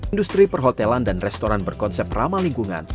industri perhotelan dan restoran berkonsep ramah lingkungan